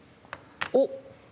おっ！